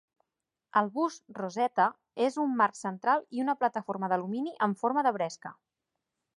El bus "Rosetta" és un marc central i una plataforma d'alumini amb forma de bresca.